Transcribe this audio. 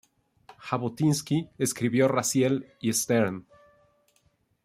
Jabotinsky escribió a Raziel y Stern.